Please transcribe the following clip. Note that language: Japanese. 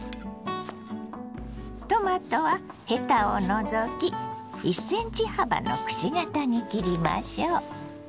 トマトはヘタを除き１ｃｍ幅のくし形に切りましょう。